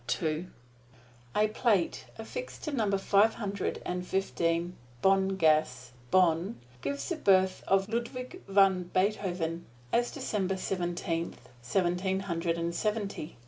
A plate affixed to Number Five Hundred Fifteen Bonngasse, Bonn, gives the birth of Ludwig van Beethoven as December Seventeenth, Seventeen Hundred Seventy.